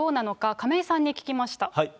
亀井さんに聞きました。